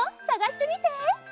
さがしてみて！